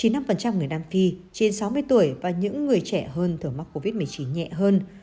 chín mươi năm người nam phi trên sáu mươi tuổi và những người trẻ hơn thường mắc covid một mươi chín nhẹ hơn